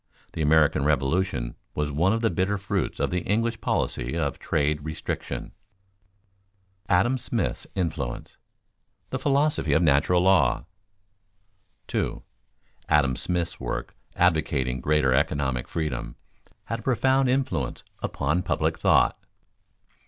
The American Revolution was one of the bitter fruits of the English policy of trade restriction. [Sidenote: Adam Smith's influence] [Sidenote: The philosophy of natural law] 2. _Adam Smith's work advocating greater economic freedom had a profound influence upon public thought.